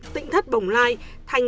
tỉnh thất bồng lai thành